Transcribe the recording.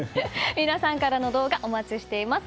皆さんからの動画お待ちしています。